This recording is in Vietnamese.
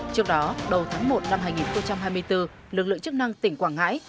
trước đó đầu tháng một năm hai nghìn hai mươi bốn lực lượng chức năng tỉnh quảng ngãi